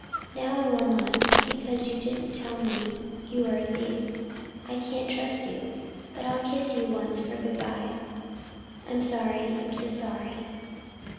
Now I will not, because you didn't tell me you were a thief. I can't trust you. But I'll kiss you once for good by. I'm sorry. I'm so sorry."